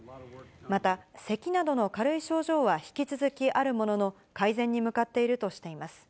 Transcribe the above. また、せきなどの軽い症状は引き続きあるものの、改善に向かっているとしています。